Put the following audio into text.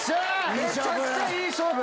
めちゃくちゃいい勝負！